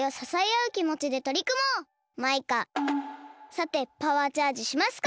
さてパワーチャージしますか！